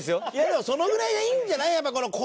でもそのぐらいがいいんじゃない？